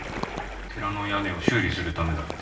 寺の屋根を修理するためだって。